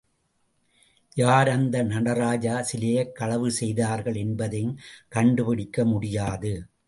யார் அந்த நடராஜ சிலையைக் களவு செய்தார்கள் என்பதையும் கண்டுபிடிக்க முடியாது.